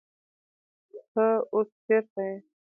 تۀ اوس چېرته يې ؟